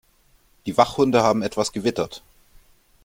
Die Wachhunde haben etwas gewittert.